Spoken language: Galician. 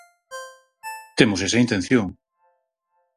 Temos esa intención.